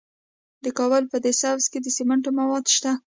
د کابل په ده سبز کې د سمنټو مواد شته.